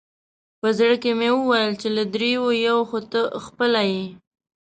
په زړه کې مې وویل چې له درېیو یو خو ته خپله یې.